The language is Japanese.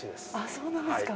そうなんですか。